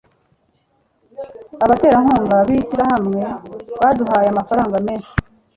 abaterankunga b ishyirahamwe baduhaye amafaranga menshi